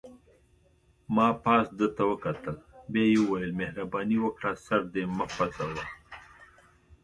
ما پاس ده ته وکتل، بیا یې وویل: مهرباني وکړه سر دې مه خوځوه.